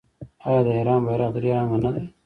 آیا د ایران بیرغ درې رنګه نه دی؟